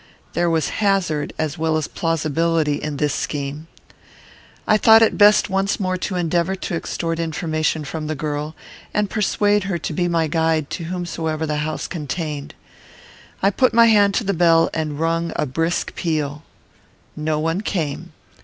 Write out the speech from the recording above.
There was hazard, as well as plausibility, in this scheme. I thought it best once more to endeavour to extort information from the girl, and persuade her to be my guide to whomsoever the house contained. I put my hand to the bell and rung a brisk peal. No one came.